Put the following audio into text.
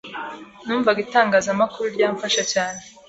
Numvaga itangazamakuru ryamfasha cyane